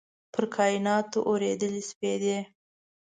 پر کایناتو اوريدلي سپیدې